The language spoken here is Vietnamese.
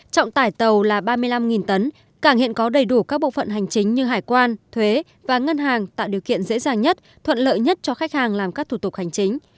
trọng tải tàu là ba mươi năm tấn cảng hiện có đầy đủ các bộ phận hành chính như hải quan thuế và ngân hàng tạo điều kiện dễ dàng nhất thuận lợi nhất cho khách hàng làm các thủ tục hành chính